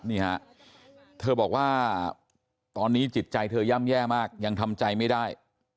นี่ฮะเธอบอกว่าตอนนี้จิตใจเธอย่ำแย่มากยังทำใจไม่ได้